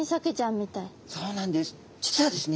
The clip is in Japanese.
そうなんです。